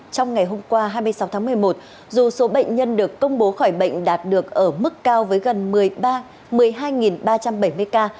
trong ngày hôm qua hai mươi sáu tháng một mươi một dù số bệnh nhân được công bố khỏi bệnh đạt được ở mức cao với gần một mươi hai ba trăm bảy mươi ca